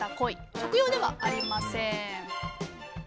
食用ではありません。